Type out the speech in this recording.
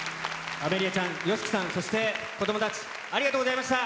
アメリアちゃん、ＹＯＳＨＩＫＩさん、そして子どもたち、ありがとうございました。